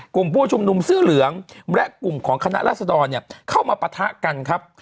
กลุ่มผู้ชุมนุมเสื้อเหลืองและกลุ่มของคณะรัศดรเข้ามาปะทะกันครับ